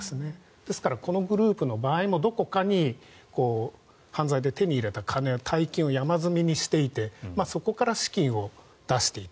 ですから、このグループの場合もどこかに犯罪で手に入れた大金を山積みにしていてそこから資金を出していた。